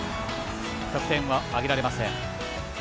得点を挙げられません。